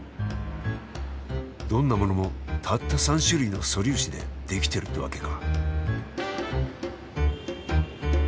どんなものもたった３種類の素粒子で出来てるってわけか。